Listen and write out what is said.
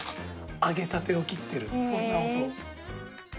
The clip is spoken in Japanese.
揚げたてを切ってるそんな音。